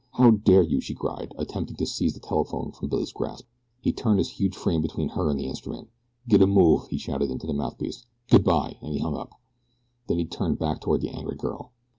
"How dare you?" she cried, attempting to seize the telephone from Billy's grasp. He turned his huge frame between her and the instrument. "Git a move!" he shouted into the mouthpiece. "Good bye!" and he hung up. Then he turned back toward the angry girl.